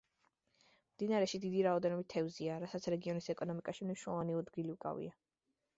მდინარეში დიდი რაოდენობით თევზია, რასაც რეგიონის ეკონომიკაში მნიშვნელოვანი ადგილი უკავია.